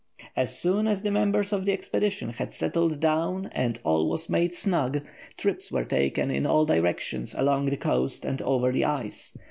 As soon as the members of the expedition had settled down and all was made snug, trips were taken in all directions along the coast and over the ice.